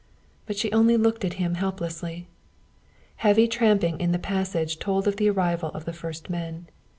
But she only looked at him helplessly. Heavy tramping in the passage told of the arrival of the first men.